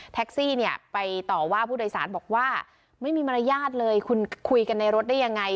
แท็กซี่เนี่ยไปต่อว่าผู้โดยสารบอกว่าไม่มีมารยาทเลยคุณคุยกันในรถได้ยังไง